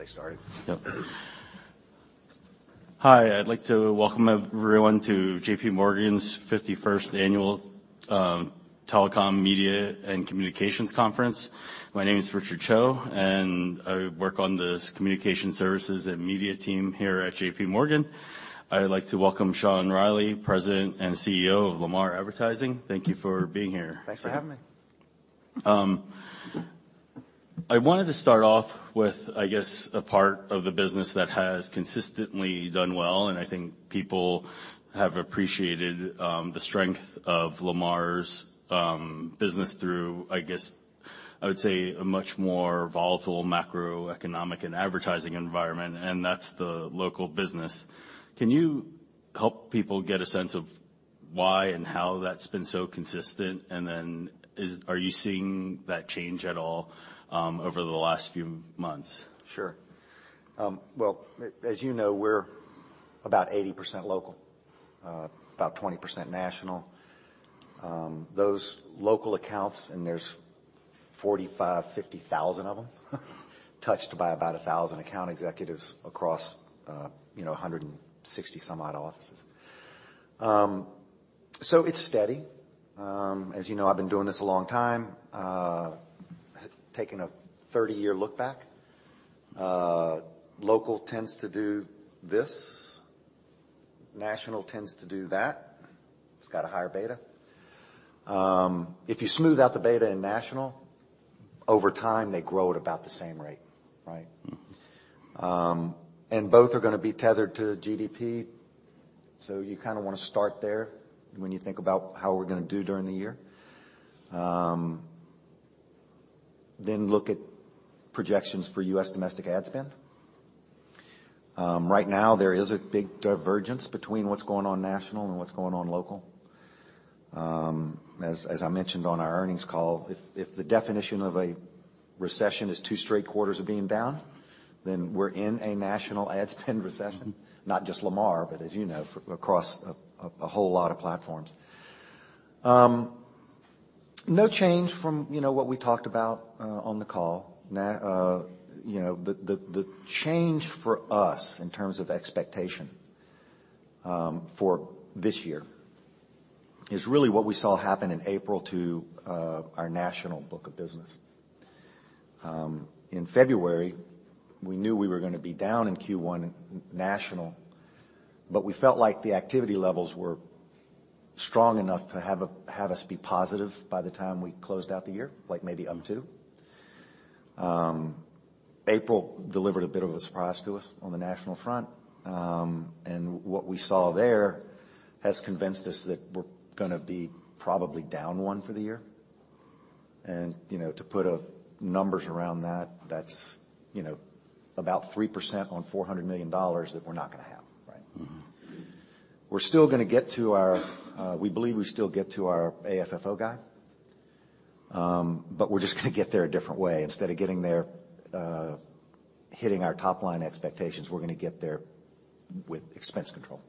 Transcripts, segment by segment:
They started? Yep. Hi, I'd like to welcome everyone to JPMorgan's 51st annual Telecom Media and Communications Conference. My name is Richard Choe, I work on this Communication Services and Media team here at JPMorgan. I'd like to welcome Sean Reilly, President and CEO of Lamar Advertising. Thank you for being here. Thanks for having me. I wanted to start off with, I guess, a part of the business that has consistently done well. I think people have appreciated the strength of Lamar's business through, I guess, I would say a much more volatile macroeconomic and advertising environment, that's the local business. Can you help people get a sense of why and how that's been so consistent? Are you seeing that change at all over the last few months? Sure. As you know, we're about 80% local, about 20% national. Those local accounts, and there's 45,000-50,000 of them, touched by about 1,000 account executives across, you know, 160 some odd offices. It's steady. As you know, I've been doing this a long time. Taking a 30-year look back. Local tends to do this. National tends to do that. It's got a higher beta. If you smooth out the beta in national, over time, they grow at about the same rate, right? Mm-hmm. Both are gonna be tethered to GDP, so you kinda wanna start there when you think about how we're gonna do during the year. Look at projections for U.S. domestic ad spend. Right now there is a big divergence between what's going on national and what's going on local. As I mentioned on our earnings call, if the definition of a recession is two straight quarters of being down, then we're in a national ad spend recession. Not just Lamar, but as you know, across a whole lot of platforms. No change from, you know, what we talked about on the call. You know, the change for us in terms of expectation for this year is really what we saw happen in April to our national book of business. In February, we knew we were gonna be down in Q1 national, but we felt like the activity levels were strong enough to have us be positive by the time we closed out the year, like maybe up 2%. April delivered a bit of a surprise to us on the national front, and what we saw there has convinced us that we're gonna be probably down 1% for the year. You know, to put numbers around that's, you know, about 3% on $400 million that we're not gonna have, right? Mm-hmm. We're still gonna get to our, we believe we still get to our AFFO guide. We're just gonna get there a different way. Instead of getting there, hitting our top line expectations, we're gonna get there with expense control.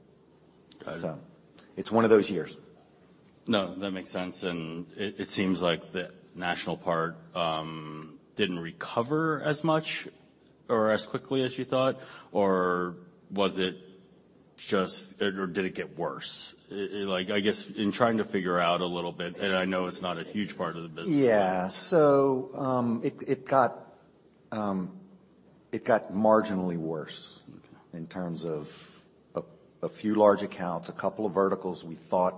Got it. It's one of those years. No, that makes sense. It seems like the national part, didn't recover as much or as quickly as you thought, or was it just, did it get worse? I guess in trying to figure out a little bit, I know it's not a huge part of the business. Yeah. it got marginally worse. Okay In terms of a few large accounts, a couple of verticals we thought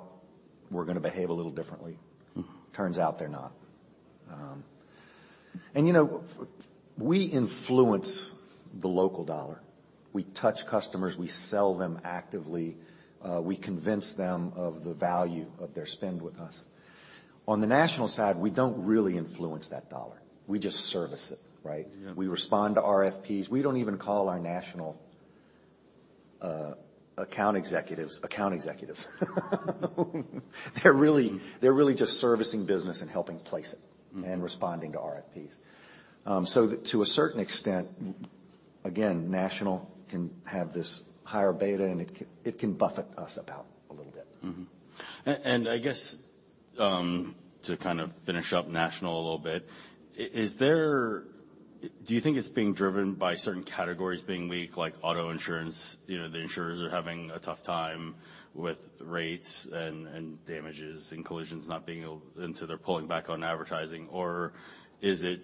were gonna behave a little differently. Mm-hmm. Turns out they're not. you know, we influence the local dollar. We touch customers, we sell them actively. We convince them of the value of their spend with us. On the national side, we don't really influence that dollar. We just service it, right? Yeah. We respond to RFPs. We don't even call our national account executives, account executives. They're really just servicing business and helping place it. Mm-hmm And responding to RFPs. To a certain extent, again, national can have this higher beta, and it can buffet us about a little bit. I guess, to kind of finish up national a little bit, is there? Do you think it's being driven by certain categories being weak, like auto insurance? You know, the insurers are having a tough time with rates and damages and collisions not being able. They're pulling back on advertising. Is it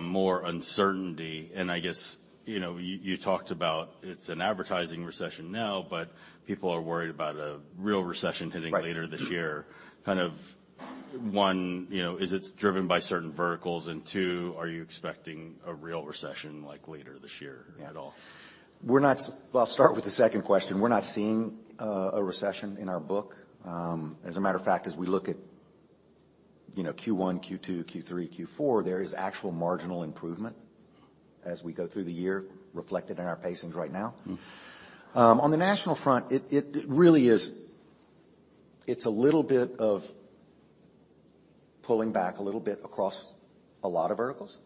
more uncertainty? I guess, you know, you talked about it's an advertising recession now, but people are worried about a real recession hitting. Right Later this year. Kind of, one, you know, is it driven by certain verticals? Two, are you expecting a real recession, like, later this year? Yeah At all? Well, I'll start with the second question. We're not seeing a recession in our book. As a matter of fact, as we look at, you know, Q1, Q2, Q3, Q4, there is actual marginal improvement as we go through the year reflected in our pacings right now. Mm-hmm. On the national front, it really is. It's a little bit of pulling back a little bit across a lot of verticals.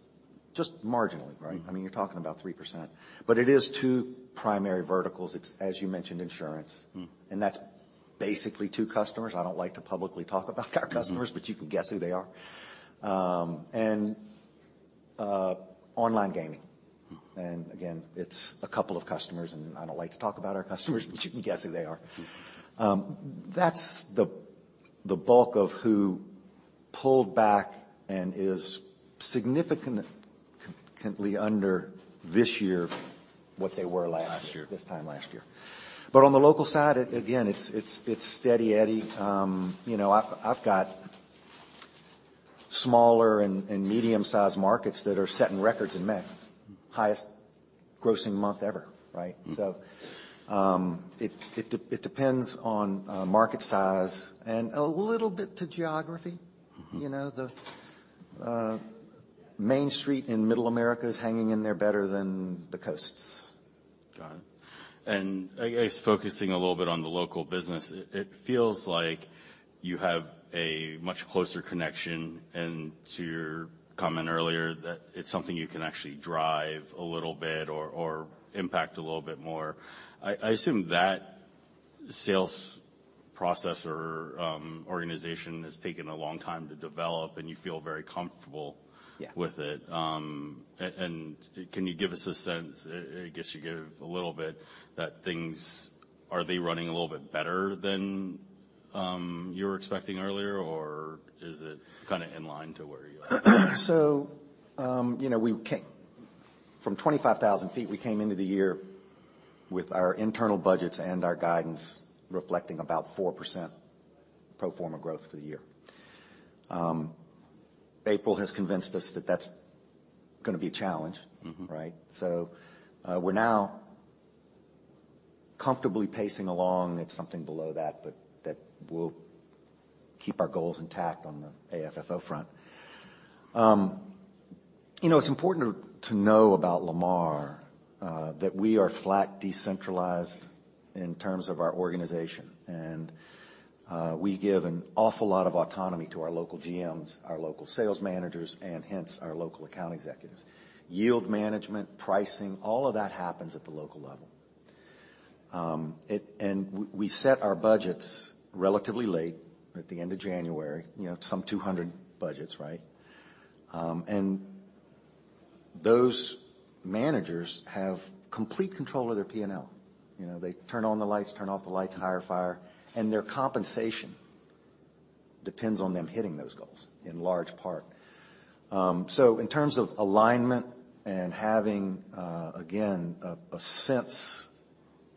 Just marginally, right? Mm-hmm. I mean, you're talking about 3%, but it is two primary verticals. It's, as you mentioned, insurance. Mm-hmm. Basically two customers. I don't like to publicly talk about our customers. Mm-hmm. You can guess who they are. Online gaming. Mm-hmm. Again, it's a couple of customers, and I don't like to talk about our customers, but you can guess who they are. Mm-hmm. That's the bulk of who pulled back and is significantly under this year what they were last year. Last year. This time last year. On the local side, again, it's Steady Eddie. you know, I've got smaller and medium-sized markets that are setting records in May. Highest grossing month ever, right? Mm-hmm. It depends on market size and a little bit to geography. Mm-hmm. You know, the Main Street in Middle America is hanging in there better than the coasts. Got it. I guess focusing a little bit on the local business, it feels like you have a much closer connection. To your comment earlier that it's something you can actually drive a little bit or impact a little bit more. I assume that sales process or organization has taken a long time to develop and you feel very comfortable. Yeah. With it. And can you give us a sense, I guess you gave a little bit, that things. Are they running a little bit better than you were expecting earlier, or is it kind of in line to where you are? You know, we came from 25,000 ft, we came into the year with our internal budgets and our guidance reflecting about 4% pro forma growth for the year. April has convinced us that that's gonna be a challenge. Mm-hmm. Right? We're now comfortably pacing along at something below that, but that will keep our goals intact on the AFFO front. You know, it's important to know about Lamar that we are flat decentralized in terms of our organization. We give an awful lot of autonomy to our local GMs, our local sales managers, and hence our local account executives. Yield management, pricing, all of that happens at the local level. We set our budgets relatively late, at the end of January. You know, some 200 budgets, right? Those managers have complete control of their P&L. You know, they turn on the lights, turn off the lights, hire, fire, and their compensation depends on them hitting those goals in large part. In terms of alignment and having, again, a sense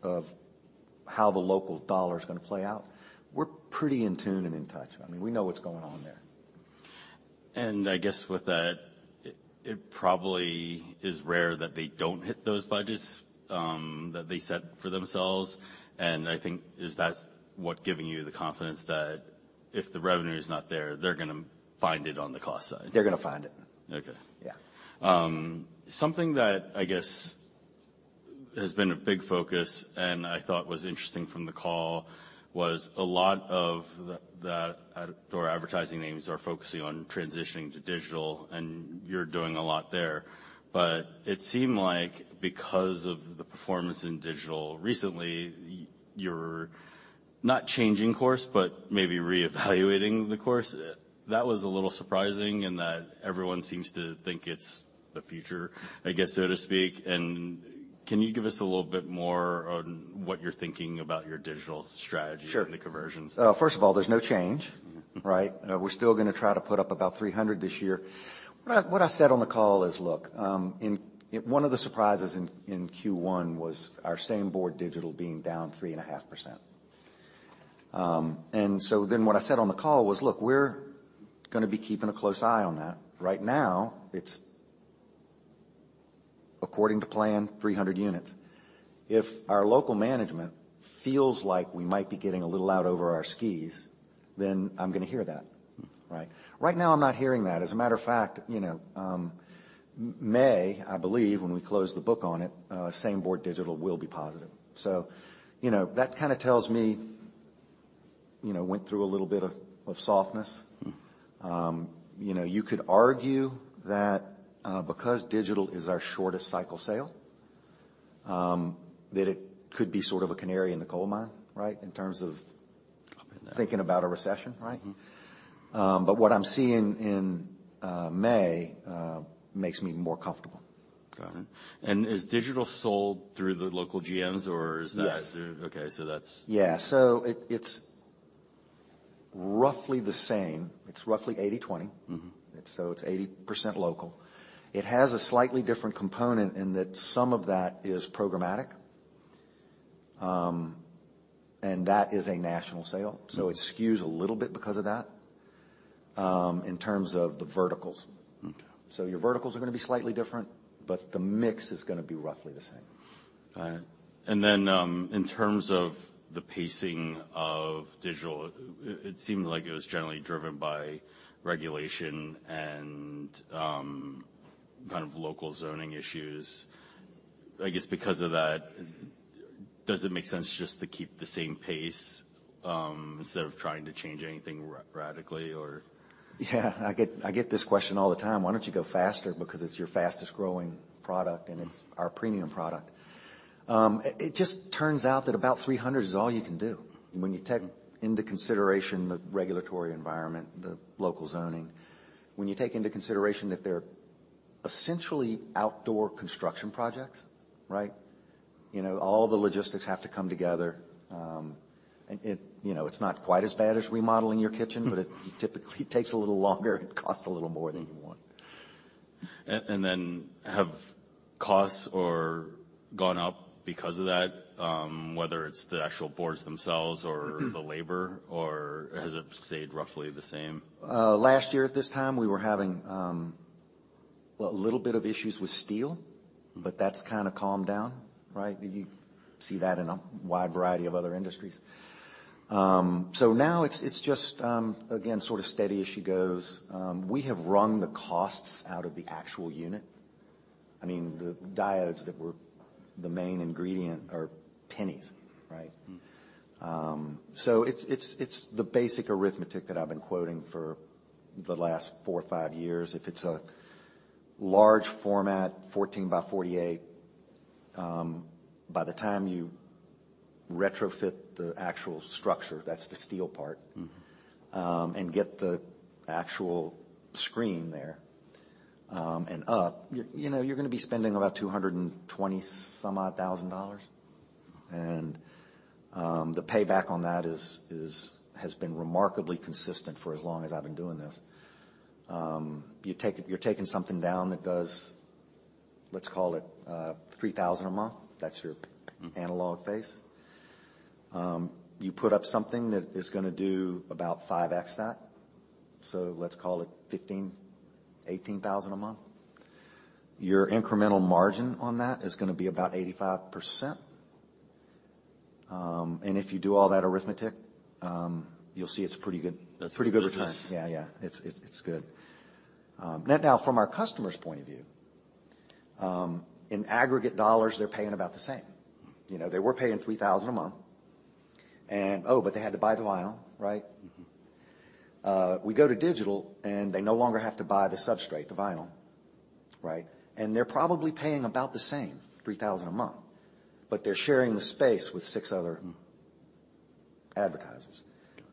of how the local dollar is going to play out, we're pretty in tune and in touch. I mean, we know what's going on there. I guess with that, it probably is rare that they don't hit those budgets that they set for themselves. I think is that what giving you the confidence that if the revenue is not there, they're gonna find it on the cost side? They're gonna find it. Okay. Yeah. Something that I guess has been a big focus and I thought was interesting from the call was a lot of the outdoor advertising names are focusing on transitioning to digital, and you're doing a lot there. It seemed like because of the performance in digital recently, you're not changing course, but maybe reevaluating the course. That was a little surprising in that everyone seems to think it's the future, I guess, so to speak. Can you give us a little bit more on what you're thinking about your digital strategy? Sure. The conversions? First of all, there's no change. Mm-hmm. Right? We're still gonna try to put up about 300 this year. What I said on the call is, look, one of the surprises in Q1 was our same board digital being down 3.5%. What I said on the call was, look, we're gonna be keeping a close eye on that. Right now, it's according to plan, 300 units. If our local management feels like we might be getting a little out over our skis, then I'm gonna hear that. Mm-hmm. Right? Right now, I'm not hearing that. As a matter of fact, you know, May, I believe, when we close the book on it, same board digital will be positive. You know, that kinda tells me, you know, went through a little bit of softness. Mm-hmm. You know, you could argue that, because digital is our shortest cycle sale, that it could be sort of a canary in the coal mine, right? Up in there. Thinking about a recession, right? Mm-hmm. What I'm seeing in May makes me more comfortable. Got it. Is digital sold through the local GMs, or is that. Yes. Okay. Yeah. It's roughly the same. It's roughly 80/20. Mm-hmm. It's 80% local. It has a slightly different component in that some of that is programmatic. That is a national sale. Mm-hmm. It skews a little bit because of that, in terms of the verticals. Okay. Your verticals are gonna be slightly different, but the mix is gonna be roughly the same. Got it. In terms of the pacing of digital, it seemed like it was generally driven by regulation and, kind of local zoning issues. I guess because of that, does it make sense just to keep the same pace, instead of trying to change anything radically or. Yeah, I get this question all the time. Why don't you go faster because it's your fastest-growing product and it's our premium product. It just turns out that about 300 is all you can do when you take into consideration the regulatory environment, the local zoning. When you take into consideration that they're essentially outdoor construction projects, right? You know, all the logistics have to come together. It, you know, it's not quite as bad as remodeling your kitchen, but it typically takes a little longer and costs a little more than you want. Have costs or gone up because of that, whether it's the actual boards themselves or the labor, or has it stayed roughly the same? Last year at this time, we were having, well, a little bit of issues with steel. That's kind of calmed down, right? You see that in a wide variety of other industries. Now it's just, again, sort of steady as she goes. We have rung the costs out of the actual unit. I mean, the diodes that were the main ingredient are pennies, right? Mm-hmm. It's the basic arithmetic that I've been quoting for the last four or five years. If it's a large format, 14 by 48, by the time you retrofit the actual structure, that's the steel part. Mm-hmm. get the actual screen there, and up, you know, you're gonna be spending about $220,000 some odd. The payback on that is has been remarkably consistent for as long as I've been doing this. you're taking something down that does, let's call it, $3,000 a month. That's your analog face. you put up something that is gonna do about 5x that, so let's call it $15,000-$18,000 a month. Your incremental margin on that is gonna be about 85%. if you do all that arithmetic, you'll see it's pretty good. That's good return. Pretty good return. Yeah, yeah. It's good. Now from our customer's point of view, in aggregate dollars, they're paying about the same. You know, they were paying $3,000 a month and, oh, they had to buy the vinyl, right? Mm-hmm. We go to digital, they no longer have to buy the substrate, the vinyl, right? They're probably paying about the same, $3,000 a month, but they're sharing the space with six other advertisers.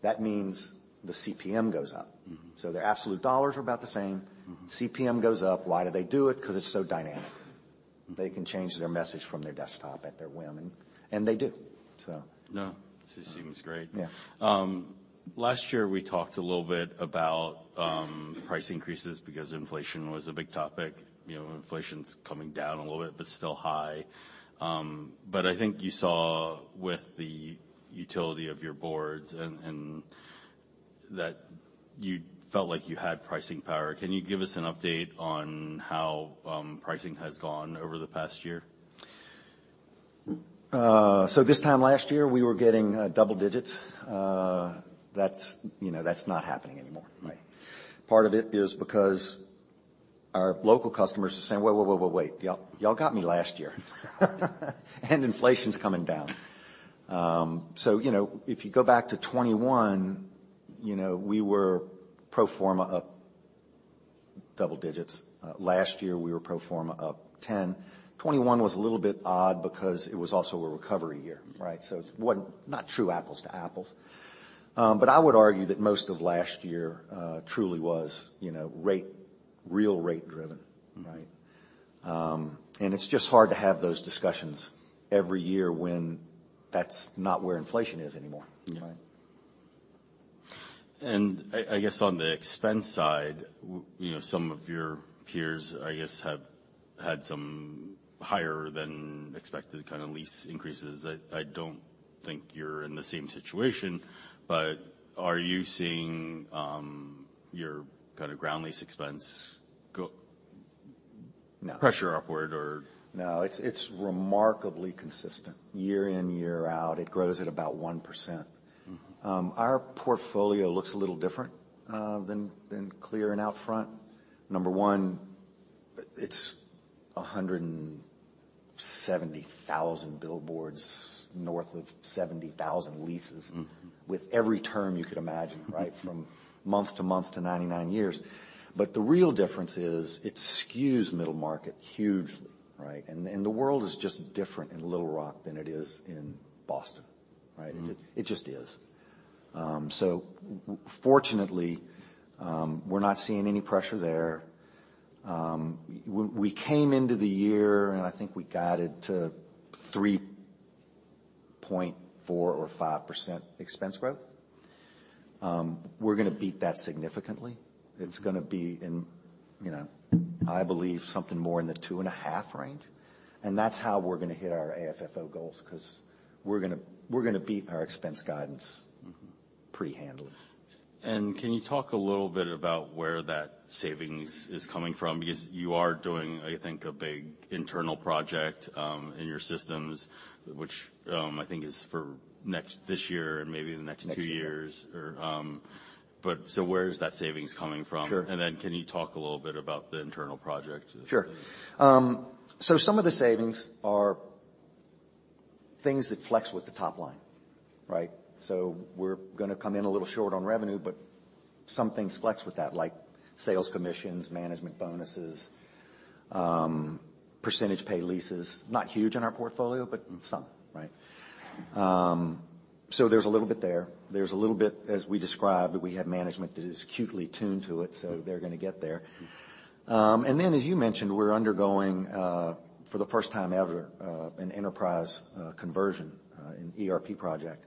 That means the CPM goes up. Mm-hmm. Their absolute dollars are about the same. Mm-hmm. CPM goes up. Why do they do it? 'Cause it's so dynamic. They can change their message from their desktop at their whim. They do. No, it seems great. Yeah. Last year, we talked a little bit about price increases because inflation was a big topic. You know, inflation's coming down a little bit but still high. I think you saw with the utility of your boards and that you felt like you had pricing power. Can you give us an update on how pricing has gone over the past year? This time last year, we were getting double digits. That's, you know, that's not happening anymore. Right. Part of it is because our local customers are saying, wait, wait, wait. Y'all got me last year. Inflation's coming down. You know, if you go back to 2021, you know, we were pro forma up double digits. Last year, we were pro forma up 10%. 2021 was a little bit odd because it was also a recovery year, right? It wasn't, not true apples to apples. I would argue that most of last year truly was, you know, rate, real rate-driven. Mm-hmm. Right? It's just hard to have those discussions every year when that's not where inflation is anymore. Yeah. Right? I guess on the expense side, you know, some of your peers, I guess, have had some higher than expected kind of lease increases. I don't think you're in the same situation, but are you seeing your kinda ground lease expense? No. Pressure upward or? No. It's remarkably consistent year in, year out. It grows at about 1%. Mm-hmm. Our portfolio looks a little different, than Clear and OUTFRONT. Number one, it's 170,000 billboards, north of 70,000 leases. Mm-hmm. With every term you could imagine, right? From month to month to 99 years. The real difference is it skews middle market hugely, right? The world is just different in Little Rock than it is in Boston, right? Mm-hmm. It just is. Fortunately, we're not seeing any pressure there. We came into the year, I think we guided to 3.4% or 5% expense growth. We're gonna beat that significantly. It's gonna be in, you know, I believe, something more in the 2.5% range, and that's how we're gonna hit our AFFO goals 'cause we're gonna beat our expense guidance. Mm-hmm. Pretty handily. Can you talk a little bit about where that savings is coming from? Because you are doing, I think, a big internal project in your systems, which, I think is for this year and maybe the next two years? Next year. Where is that savings coming from? Sure. Can you talk a little bit about the internal project? Sure. Some of the savings are things that flex with the top line, right? We're gonna come in a little short on revenue, but some things flex with that, like sales commissions, management bonuses, percentage pay leases. Not huge in our portfolio, but in some, right? There's a little bit there. There's a little bit, as we described, that we have management that is acutely tuned to it, so they're gonna get there. As you mentioned, we're undergoing, for the first time ever, an enterprise conversion, an ERP project.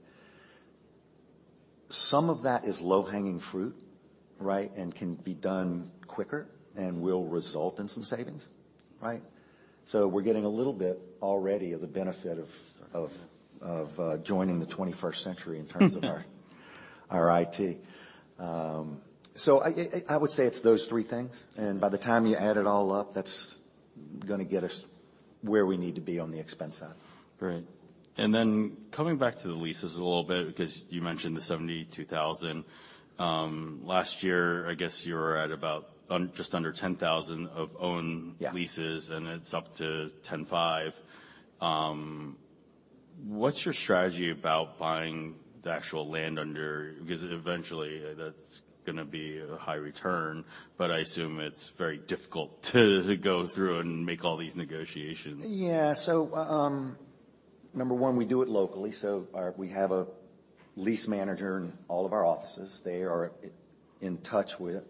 Some of that is low-hanging fruit, right? Can be done quicker and will result in some savings, right? We're getting a little bit already of the benefit of joining the 21st century in terms of our IT.I would say it's those three things, and by the time you add it all up, that's gonna get us where we need to be on the expense side. Great. Coming back to the leases a little bit because you mentioned the 72,000. Last year, I guess you were at about just under 10,000 of owned- Yeah Leases, it's up to ten five. What's your strategy about buying the actual land under? Eventually that's gonna be a high return, but I assume it's very difficult to go through and make all these negotiations. Yeah. number one, we do it locally. We have a lease manager in all of our offices. They are in touch with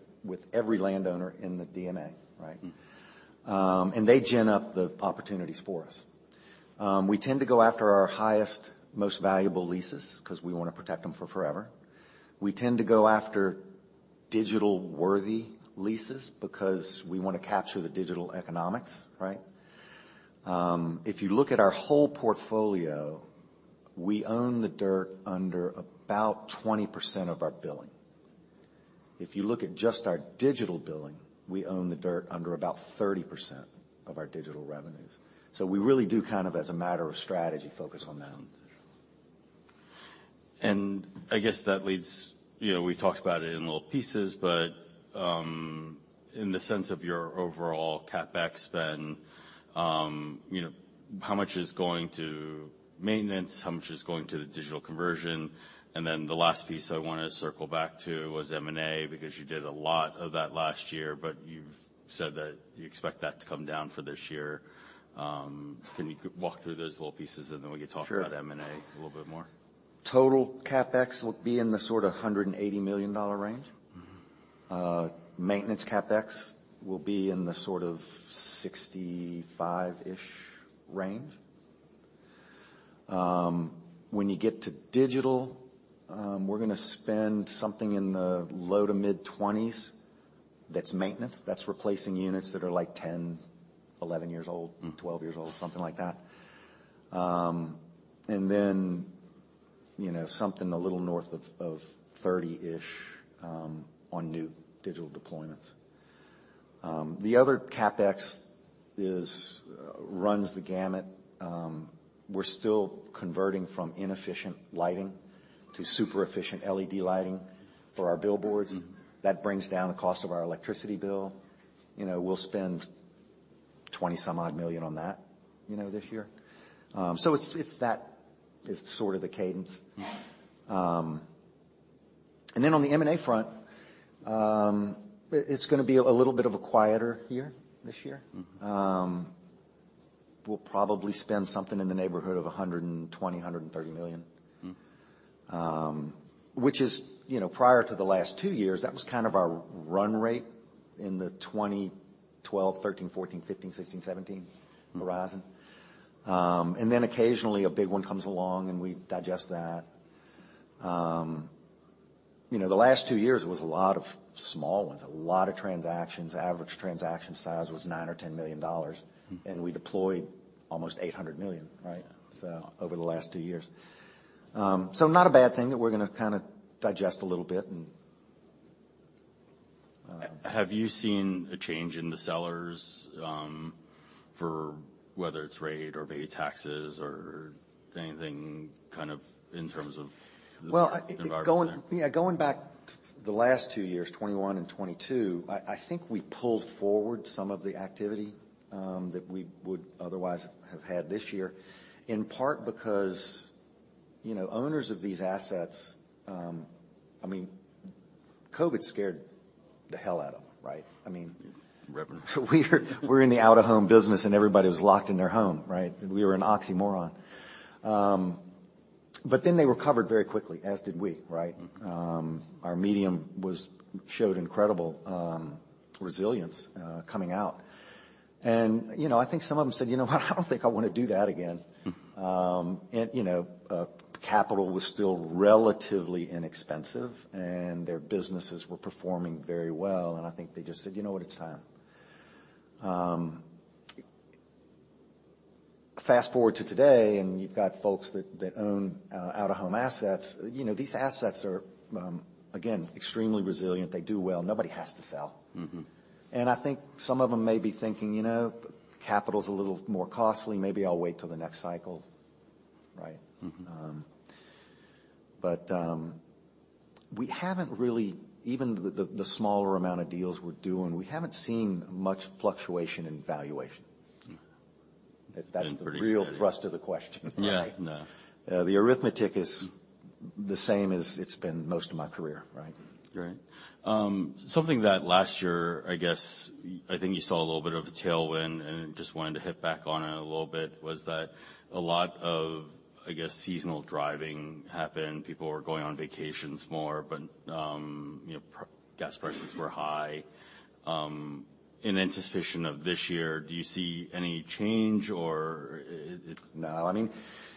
every landowner in the DMA, right? Mm-hmm. They gen up the opportunities for us. We tend to go after our highest, most valuable leases cause we wanna protect them for forever. We tend to go after digital-worthy leases because we wanna capture the digital economics, right? If you look at our whole portfolio, we own the dirt under about 20% of our billing. If you look at just our digital billing, we own the dirt under about 30% of our digital revenues. We really do kind of, as a matter of strategy, focus on that. I guess that leads. You know, we talked about it in little pieces, but, in the sense of your overall CapEx spend, you know, how much is going to maintenance? How much is going to the digital conversion? Then the last piece I wanna circle back to was M&A because you did a lot of that last year, but you've said that you expect that to come down for this year. Can you walk through those little pieces, and then we can talk. Sure. About M&A a little bit more? Total CapEx will be in the sort of $180 million range. Mm-hmm. Maintenance CapEx will be in the sort of $65-ish range. When you get to digital, we're gonna spend something in the low to mid-$20s. That's maintenance. That's replacing units that are, like, 10, 11 years old, Mm-hmm. 12 years old, something like that. You know, something a little north of $30-ish, on new digital deployments. The other CapEx runs the gamut. We're still converting from inefficient lighting to super efficient LED lighting for our billboards. Mm-hmm. That brings down the cost of our electricity bill. You know, we'll spend $20 some odd million on that, you know, this year. It's that. It's sort of the cadence. Then on the M&A front, it's gonna be a little bit of a quieter year this year. Mm-hmm. We'll probably spend something in the neighborhood of $120 million-$130 million. Mm-hmm. Which is, you know, prior to the last two years, that was kind of our run rate in the 2012, 2013, 2014, 2015, 2016, 2017 horizon. Occasionally a big one comes along, and we digest that. You know, the last two years was a lot of small ones, a lot of transactions. Average transaction size was $9 million or $10 million. Mm-hmm. We deployed almost $800 million, right? Yeah. Over the last two years. not a bad thing that we're gonna kinda digest a little bit and. Have you seen a change in the sellers, for whether it's rate or maybe taxes or anything kind of in terms of the environment there? Well, going back the last two years, 2021 and 2022, I think we pulled forward some of the activity that we would otherwise have had this year, in part because, you know, owners of these assets. I mean, COVID scared the hell out of them, right? Revenge. We're in the out-of-home business, and everybody was locked in their home, right? We were an oxymoron. They recovered very quickly, as did we, right? Mm-hmm. Our medium showed incredible resilience coming out. You know, I think some of them said, you know what? I don't think I wanna do that again. Mm-hmm. You know, capital was still relatively inexpensive, and their businesses were performing very well, and I think they just said, you know what? It's time. Fast-forward to today, you've got folks that own out-of-home assets. You know, these assets are, again, extremely resilient. They do well. Nobody has to sell. Mm-hmm. I think some of them may be thinking, you know, capital's a little more costly. Maybe I'll wait till the next cycle, right? Mm-hmm. Even the smaller amount of deals we're doing, we haven't seen much fluctuation in valuation. Mm-hmm. If that's. Been pretty steady. Thrust of the question, right? Yeah, no. The arithmetic is the same as it's been most of my career, right? Right. something that last year, I guess, I think you saw a little bit of a tailwind and just wanted to hit back on it a little bit, was that a lot of, I guess, seasonal driving happened. People were going on vacations more, you know, gas prices were high. in anticipation of this year, do you see any change or it? No. I mean,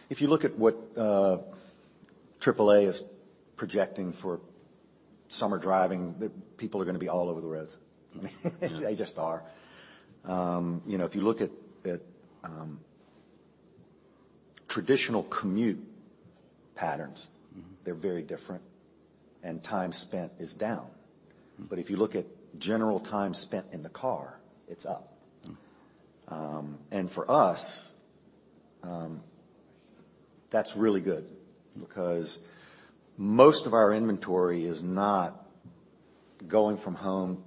if you look at what AAA is projecting for summer driving, people are gonna be all over the roads. Yeah. They just are. you know, if you look at, traditional commute patterns. Mm-hmm. They're very different, time spent is down. Mm-hmm. If you look at general time spent in the car, it's up. Mm-hmm. For us, that's really good because most of our inventory is not going from home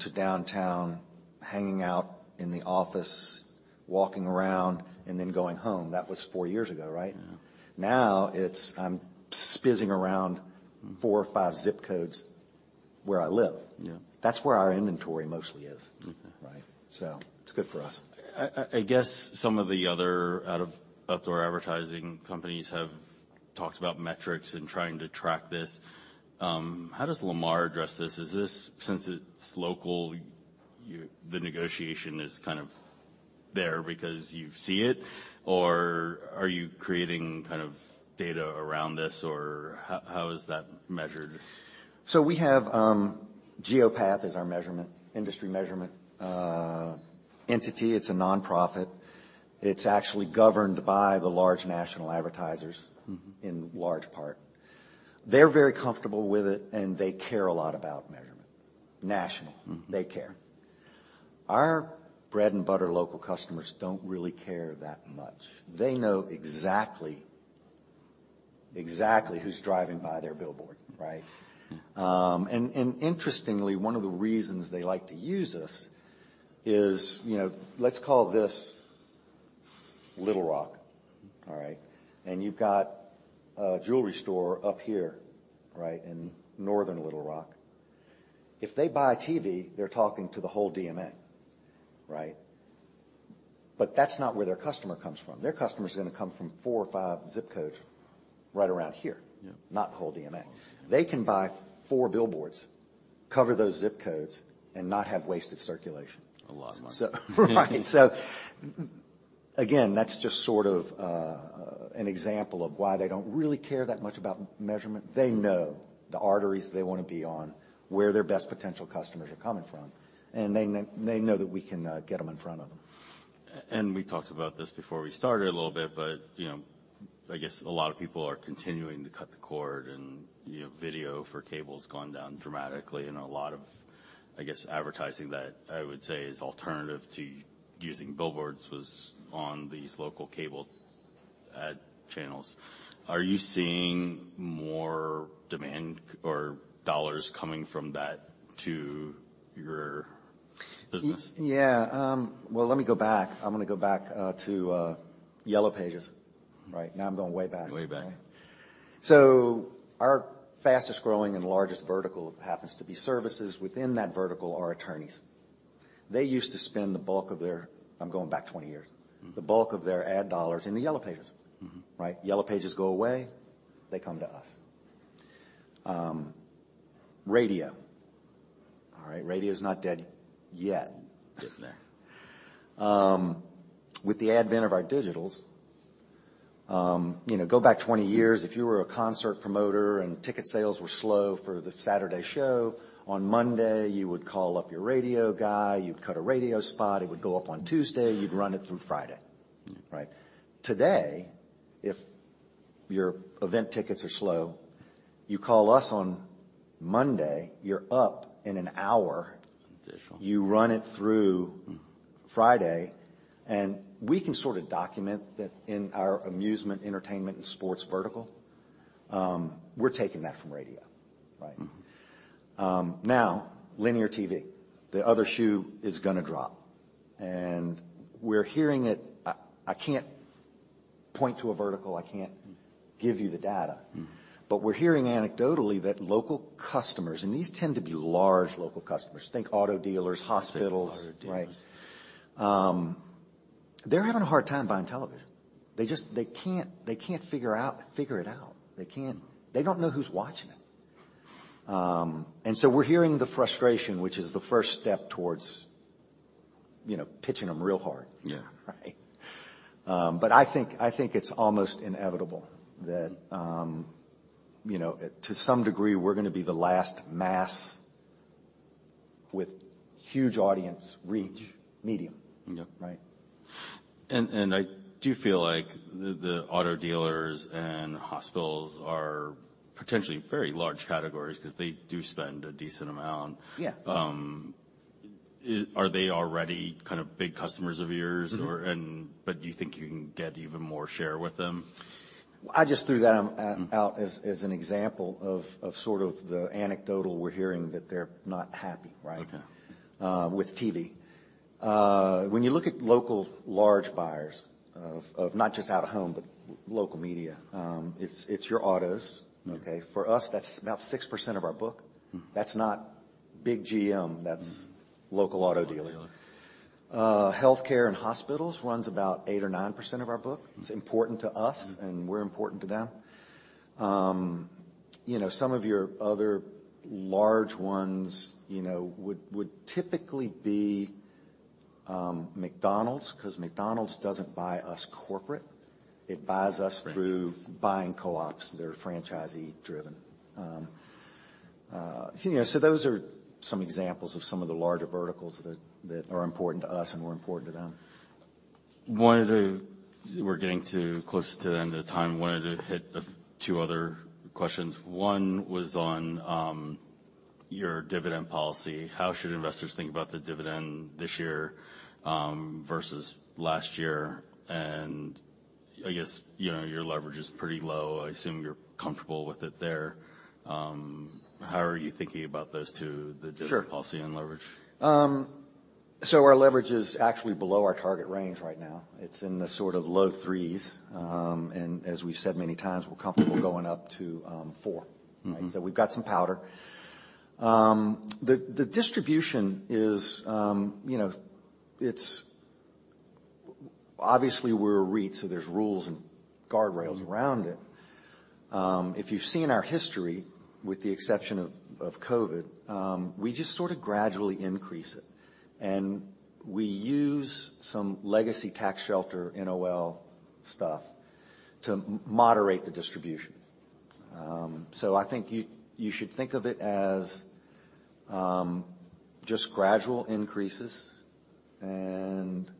to downtown, hanging out in the office, walking around, and then going home. That was four years ago, right? Yeah. Now it's, I'm spizzing around four or five zip codes where I live. Yeah. That's where our inventory mostly is. Mm-hmm. Right? It's good for us. I guess some of the other outdoor advertising companies have talked about metrics and trying to track this. How does Lamar address this? Is this since it's local, the negotiation is kind of there because you see it? Or are you creating kind of data around this, or how is that measured? We have, Geopath is our measurement, industry measurement, entity. It's a nonprofit. It's actually governed by the large national advertisers- Mm-hmm. In large part. They're very comfortable with it, and they care a lot about measurement. National. Mm-hmm. They care. Our bread-and-butter local customers don't really care that much. They know exactly who's driving by their billboard, right? Mm-hmm. Interestingly, one of the reasons they like to use us is, you know. Let's call this Little Rock. Mm-hmm. All right? You've got a jewelry store up here, right? In northern Little Rock. If they buy TV, they're talking to the whole DMA, right? That's not where their customer comes from. Their customer's gonna come from four or five zip codes right around here. Yeah. Not the whole DMA. They can buy four billboards, cover those zip codes, and not have wasted circulation. A lot of money. Right. again, that's just sort of an example of why they don't really care that much about measurement. They know the arteries they wanna be on, where their best potential customers are coming from, and they know that we can get them in front of them. We talked about this before we started a little bit, but, you know, I guess a lot of people are continuing to cut the cord, and, you know, video for cable's gone down dramatically. A lot of, I guess, advertising that I would say is alternative to using billboards was on these local cable ad channels. Are you seeing more demand or dollars coming from that to your business? Yeah. Well, let me go back. I'm gonna go back to Yellow Pages, right? Now I'm going way back. Way back. Our fastest growing and largest vertical happens to be services. Within that vertical are attorneys. They used to spend. I'm going back 20 years. Mm-hmm. The bulk of their ad dollars in the Yellow Pages. Mm-hmm. Right? Yellow Pages go away, they come to us. radio. All right? Radio's not dead yet. Getting there. With the advent of our digitals, you know, go back 20 years. If you were a concert promoter and ticket sales were slow for the Saturday show, on Monday, you would call up your radio guy, you'd cut a radio spot, it would go up on Tuesday, you'd run it through Friday. Mm-hmm. Right? Today, if your event tickets are slow, you call us on Monday, you're up in an hour. Additional. You run it through. Mm. Friday, we can sort of document that in our amusement, entertainment, and sports vertical, we're taking that from radio, right? Mm-hmm. Now, linear TV. The other shoe is gonna drop. We're hearing it. I can't point to a vertical. I can't give you the data. Mm-hmm. We're hearing anecdotally that local customers, and these tend to be large local customers, think auto dealers, hospitals. I was thinking auto dealers. Right? They're having a hard time buying television. They can't figure it out. They can't. They don't know who's watching it. So we're hearing the frustration, which is the first step towards, you know, pitching them real hard. Yeah. Right? I think it's almost inevitable that, you know, to some degree, we're gonna be the last mass with huge audience reach medium. Yep. Right? I do feel like the auto dealers and hospitals are potentially very large categories 'cause they do spend a decent amount. Yeah. Are they already kind of big customers of yours? Mm-hmm. You think you can get even more share with them? I just threw that out as an example of sort of the anecdotal we're hearing that they're not happy. Okay With TV. When you look at local large buyers of not just out-of-home, but local media, it's your autos. Mm-hmm. Okay. For us, that's about 6% of our book. Mm. That's not big GM. Mm. That's local auto dealers. healthcare and hospitals runs about 8% or 9% of our book. Mm. It's important to us. Mm-hmm And we're important to them. You know some of your other large ones, you know would typically be, McDonald's, 'cause McDonald's doesn't buy us corporate. It buys us- Right Through buying co-ops. They're franchisee driven. you know, Those are some examples of some of the larger verticals that are important to us and we're important to them. We're getting to close to the end of time. Wanted to hit a few other questions. One was on your dividend policy. How should investors think about the dividend this year versus last year? I guess, you know, your leverage is pretty low. I assume you're comfortable with it there. How are you thinking about those two. Sure The dividend policy and leverage? Our leverage is actually below our target range right now. It's in the sort of low 3%s. As we've said many times, we're comfortable going up to 4%. Mm-hmm. We've got some powder. The distribution is, you know, Obviously we're a REIT, so there's rules and guardrails- Mm-hmm Around it. If you've seen our history, with the exception of COVID, we just sort of gradually increase it. We use some legacy tax shelter NOL stuff to moderate the distribution. I think you should think of it as, just gradual increases and,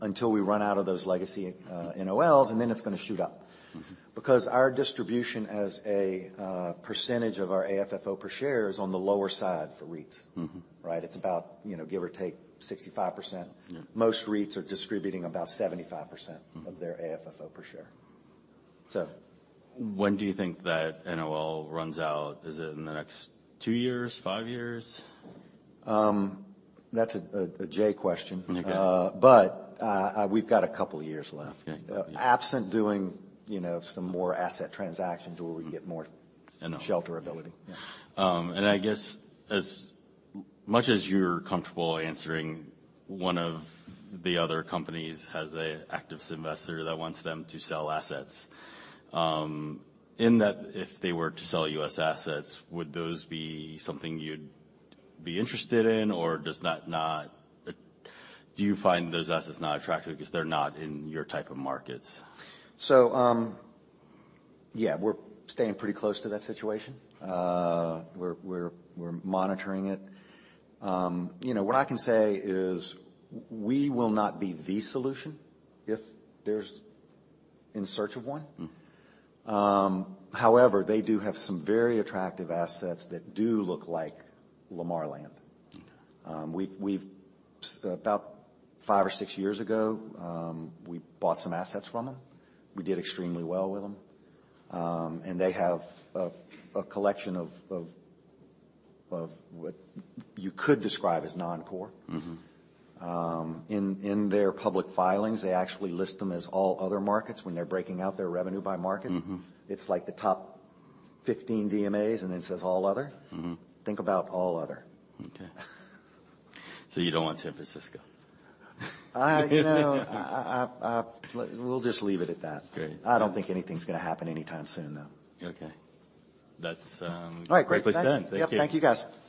until we run out of those legacy, NOLs, and then it's gonna shoot up. Mm-hmm. Our distribution as a percentage of our AFFO per share is on the lower side for REITs. Mm-hmm. Right. It's about, you know, give or take 65%. Yeah. Most REITs are distributing about 75%. Mm-hmm Of their AFFO per share. When do you think that NOL runs out? Is it in the next two years? Five years? That's a Jay question. Okay. We've got a couple of years left. Okay. Absent doing, you know, some more asset transactions where we get more- I know. Shelter ability. Yeah. I guess as much as you're comfortable answering, one of the other companies has a activist investor that wants them to sell assets. In that if they were to sell U.S. assets, would those be something you'd be interested in or do you find those assets not attractive because they're not in your type of markets? Yeah, we're staying pretty close to that situation. We're monitoring it. You know, what I can say is we will not be the solution if there's in search of one. Mm. They do have some very attractive assets that do look like Lamar Land. Okay. We've about five or six years ago, we bought some assets from them. We did extremely well with them. They have a collection of what you could describe as non-core. Mm-hmm. In their public filings, they actually list them as all other markets when they're breaking out their revenue by market. Mm-hmm. It's like the top 15 DMAs, and then it says, all other. Mm-hmm. Think about all other. Okay. you don't want San Francisco? I, you know, I, we'll just leave it at that. Great. I don't think anything's gonna happen anytime soon, though. Okay. That's. All right, great. Greatly done. Thank you. Yep. Thank you, guys.